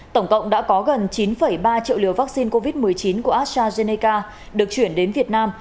tổng cộng đã có gần chín ba triệu liều vaccine covid một mươi chín của astrazeneca được chuyển đến việt nam